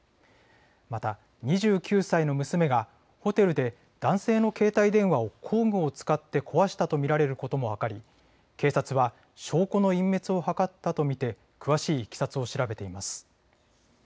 また、２９歳の娘が、ホテルで男性の携帯電話を工具を使って壊したと見られることも分かり、警察は証拠の隠滅を図ったと見て、詳しいいきさつを調べています。